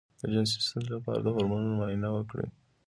د جنسي ستونزې لپاره د هورمونونو معاینه وکړئ